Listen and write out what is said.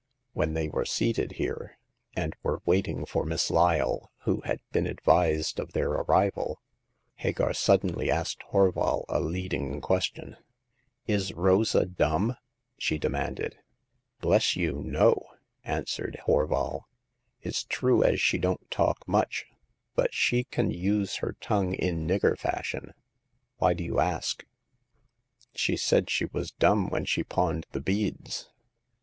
When they were seated here, and were waiting for Miss Lyle, who had been advised of their arrival, Hagar suddenly asked Horval a leading question. 7o Hagar of the Pawn Shop. .." Is Rosa dumb ?" she demanded. Bless you, no !" answered Horval. It's true as she don't talk much, but she can use her tongue in nigger fashion. Why do you ask?" She said she was dumb when she pawned the beads."